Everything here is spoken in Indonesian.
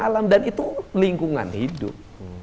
alam dan itu lingkungan hidup